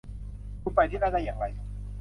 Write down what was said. คุณไปที่นั่นได้อย่างไร